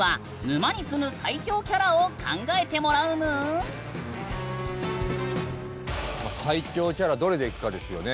ここからは最恐キャラどれでいくかですよね。